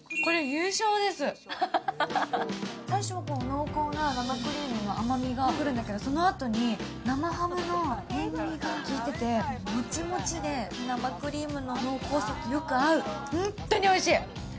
最初は濃厚の生クリームが来るんだけどそのあとに生ハムの塩みがきいてて、もちもちで生クリームの濃厚さとよく合う、本当においしい！